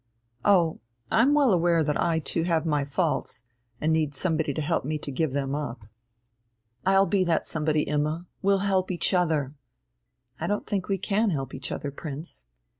"Oh, I'm well aware that I too have my faults, and need somebody to help me to give them up." "I'll be that somebody, Imma; we'll help each other." "I don't think we can help each other, Prince."